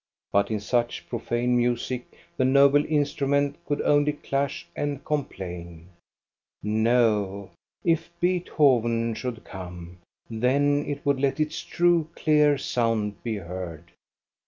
But in such profane music the noble instrument could only clash and complain. No, if Beethoven should come, then it would let its true, clear sound be heard.